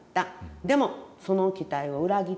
でもその期待を裏切った。